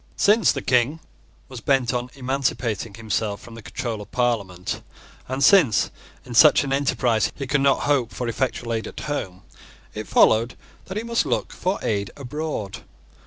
Since the King was bent on emancipating himself from the control of Parliament, and since, in such an enterprise, he could not hope for effectual aid at home, it followed that he must look for aid abroad.